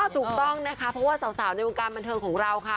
ถูกต้องนะคะเพราะว่าสาวในวงการบันเทิงของเราค่ะ